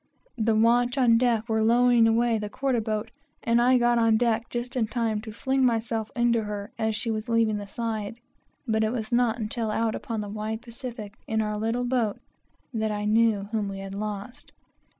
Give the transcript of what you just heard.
The watch on deck were lowering away the quarter boat, and I got on deck just in time to heave myself into her as she was leaving the side; but it was not until out upon the wide Pacific, in our little boat, that I knew whom we had lost.